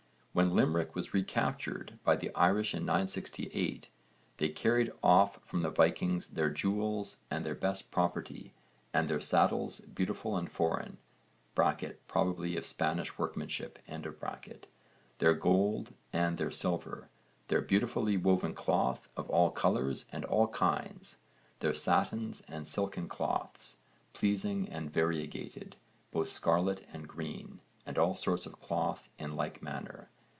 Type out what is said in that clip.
When Limerick was re captured by the Irish in 968, they carried off from the Vikings 'their jewels and their best property, and their saddles beautiful and foreign (probably of Spanish workmanship), their gold and their silver: their beautifully woven cloth of all colours and all kinds: their satins and silken cloths, pleasing and variegated, both scarlet and green, and all sorts of cloth in like manner.'